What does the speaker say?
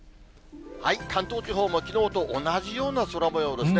関東地方もきのうと同じような空もようですね。